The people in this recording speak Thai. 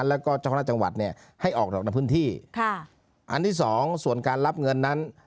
แล้วก็เจ้าคณะจังหวัดเนี่ยให้ออกดอกในพื้นที่ค่ะอันที่สองส่วนการรับเงินนั้น